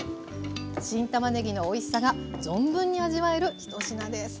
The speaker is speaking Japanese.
新たまねぎのおいしさが存分に味わえるひと品です。